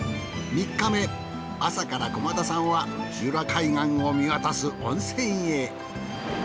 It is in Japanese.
３日目朝から駒田さんは由良海岸を見渡す温泉へ。